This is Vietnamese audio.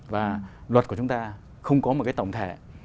và luật của chúng ta không có một cái tổng thể